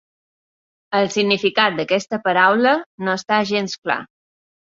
El significat d'aquesta paraula no està gens clar.